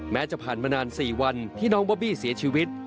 จะผ่านมานาน๔วันที่น้องบอบบี้เสียชีวิต